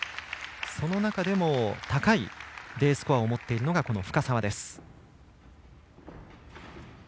その中でも高いＤスコアを持っているのが深沢です。